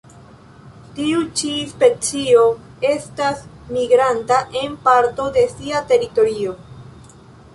Tiu ĉi specio estas migranta en parto de sia teritorio.